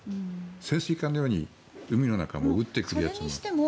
潜水艦のように海の中を潜っていくやつも。